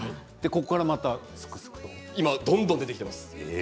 ここからすくすくとどんどん出てきています。